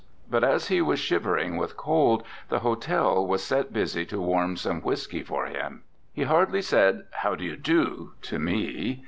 But as he was shivering with cold, the hotel was set busy to warm some whiskey for him. He hardly said 'How do you do?' to me.